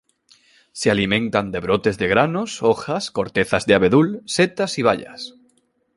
Se alimentan de brotes y granos, hojas, corteza de abedul, setas y bayas.